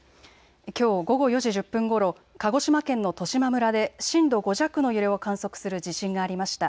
きょう午後４時１０分ごろ、鹿児島県の十島村で震度５弱の揺れを観測する地震がありました。